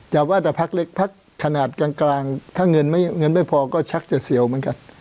ว่าแต่พักเล็กพักขนาดกลางถ้าเงินไม่พอก็ชักจะเสี่ยวเหมือนกัน